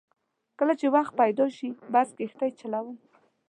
کله چې وخت پیدا شي بس کښتۍ چلوم.